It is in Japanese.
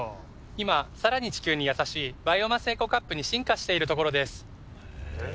今さらに地球にやさしいバイオマスエコカップに進化しているところです。